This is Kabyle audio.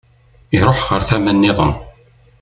Iruḥ ɣer tama-nniḍen.